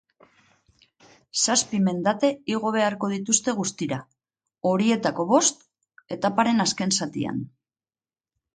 Zazpi mendate igo beharko dituzte guztira, horietako bost etaparen azken zatian.